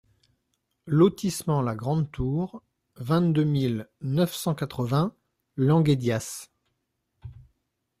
Lotissement La Grande Tour, vingt-deux mille neuf cent quatre-vingts Languédias